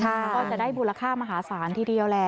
แล้วก็จะได้มูลค่ามหาศาลทีเดียวแหละ